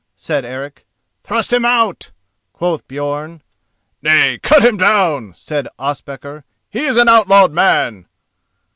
said Eric. "Thrust him out!" quoth Björn. "Nay, cut him down!" said Ospakar, "he is an outlawed man."